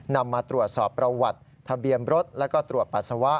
นำมาตรวจสอบประวัติทะเบียนรถแล้วก็ตรวจปัสสาวะ